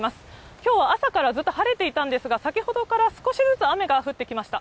きょうは朝からずっと晴れていたんですが、先ほどから少しずつ雨が降ってきました。